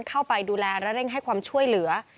เข้าไปดูแลและเร่งให้ความช่วยเหลือ